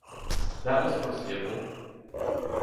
That was foreseeable.